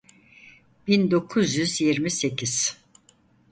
bin dokuz yüz yirmi sekiz